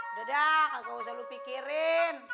udah dah gak usah lu pikirin